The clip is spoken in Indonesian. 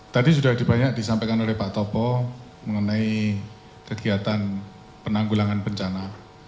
tadi sudah banyak disampaikan oleh pak topo mengenai kegiatan penanggulangan bencana